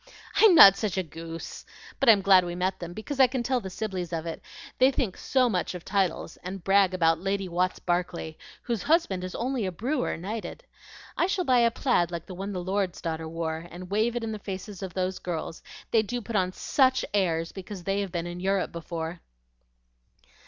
"I'm not such a goose! But I'm glad we met them, because I can tell the Sibleys of it. They think so much of titles, and brag about Lady Watts Barclay, whose husband is only a brewer knighted. I shall buy a plaid like the one the lord's daughter wore, and wave it in the faces of those girls; they do put on SUCH airs because they have been in Europe before."